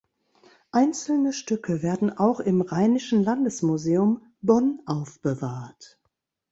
Einzelne Stücke werden auch im Rheinischen Landesmuseum Bonn aufbewahrt.